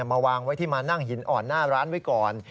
มาวางไว้ที่มานั่งหินอ่อนหน้าร้านไว้ก่อน